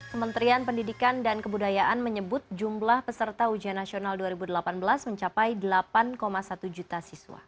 kementerian pendidikan dan kebudayaan menyebut jumlah peserta ujian nasional dua ribu delapan belas mencapai delapan satu juta siswa